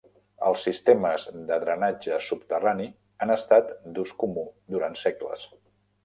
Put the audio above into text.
Els sistemes de drenatge subterrani han estat d'ús comú durant segles.